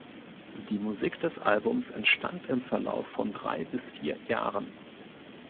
Die Musik des Albums entstand im Verlauf von drei bis vier Jahren.